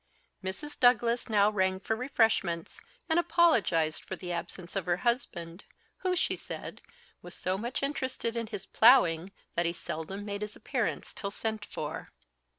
Mrs. Douglas now rang for refreshments, and apologised for the absence of her husband, who, she said, was so much interested in his ploughing that he seldom made his appearance till sent for.